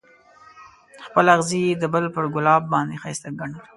خپل اغزی یې د بل پر ګلاب باندې ښایسته ګڼلو.